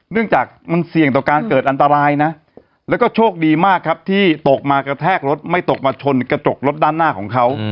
เนื่องจากมันเสี่ยงต่อการเกิดอันตรายนะแล้วก็โชคดีมากครับที่ตกมากระแทกรถไม่ตกมาชนกระจกรถด้านหน้าของเขา